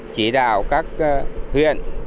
chỉ đạo các huyện